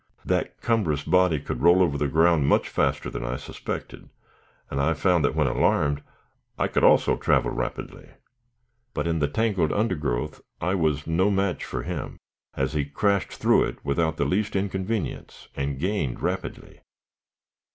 That cumbrous body could roll over the ground much faster than I suspected, and I found that, when alarmed, I could also travel rapidly. But in the tangled undergrowth I was no match for him, as he crashed through it without the least inconvenience, and gained rapidly.